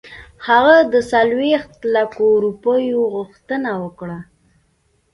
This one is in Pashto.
هغه د څلوېښتو لکو روپیو غوښتنه وکړه.